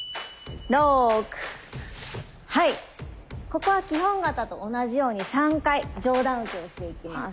ここは基本形と同じように３回上段受けをしていきます。